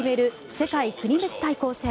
世界国別対抗戦。